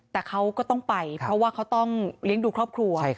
แต่เขาก็ต้องไปเพราะว่าเขาต้องเลี้ยงดูครอบครัว